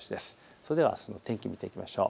それではあすの天気見ていきましょう。